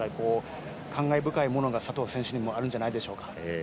感慨深いものが佐藤選手にもあるんじゃないでしょうか。